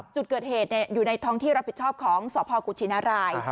จุดเกิดเหตุอยู่ในท้องที่รับผิดชอบของสพกุชินาราย